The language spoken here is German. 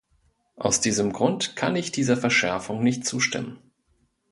Aus diesem Grund kann ich dieser Verschärfung nicht zustimmen.